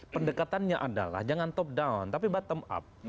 pendekatannya adalah jangan top down tapi bottom up